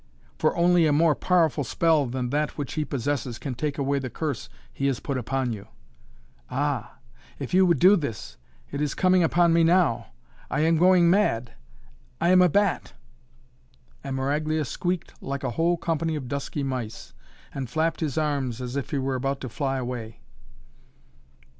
For only a more powerful spell than that which he possesses can take away the curse he has put upon you." "Ah! If you would do this! It is coming upon me now. I am going mad. I am a bat!" And Maraglia squeaked like a whole company of dusky mice, and flapped his arms as if he were about to fly away.